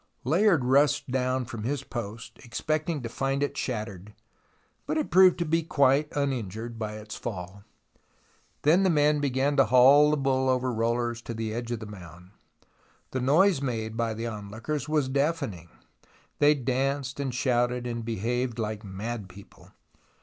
Layard rushed down from his post expecting to find it shattered, but it proved to be quite uninjured by its fall. Then the men began to haul the bull over rollers to the edge of the mound. The noise made by the onlookers was deafening. They danced and shouted and behaved like mad people.